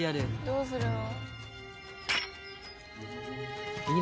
「どうするの？」